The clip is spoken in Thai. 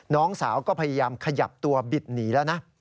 น้องสาวก็พยายามขยับตัวบิดหนีแล้วนะ